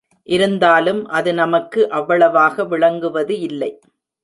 இருந்தாலும் அது நமக்கு அவ்வளவாக விளங்குவது இல்லை.